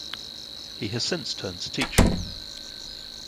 He has since turned to teaching.